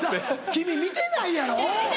君見てないやろ？